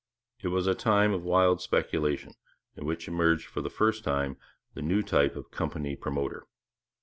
It was a time of wild speculation, in which emerged for the first time the new type of company promoter.